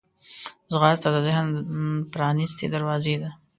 ځغاسته د ذهن پرانستې دروازې ده